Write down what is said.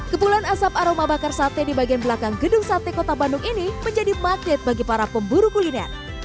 kepulan asap aroma bakar sate di bagian belakang gedung sate kota bandung ini menjadi magnet bagi para pemburu kuliner